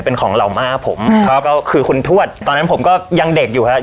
เป็นของเหล่ามาอ่ะผมคือคนถวดตอนนั้นผมก็ยังเด็กอยู่ฮะ